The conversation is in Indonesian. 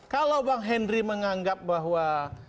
kalau bang henry menganggap bahwa